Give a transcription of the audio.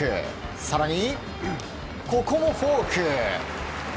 更に、ここもフォーク。